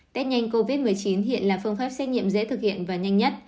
test nhanh covid một mươi chín hiện là phương pháp xét nghiệm dễ thực hiện và nhanh nhất